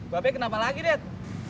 babi kenapa lagi det